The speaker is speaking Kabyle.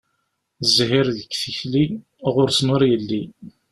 Zzhir deg tikli, ɣur-sen ur yelli.